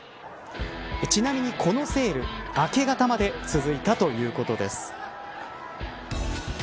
ちなみに、このセール明け方まで続いたということです。